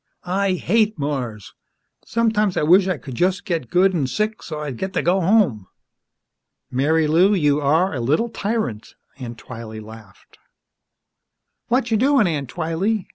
I hate Mars! Sometimes I wish I could just get good an' sick, so's I'd get to go home!" "Marilou, you are a little tyrant!" Aunt Twylee laughed. "Watcha' doin', Aunt Twylee?"